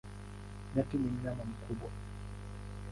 Nyati ni mnyama mkubwa.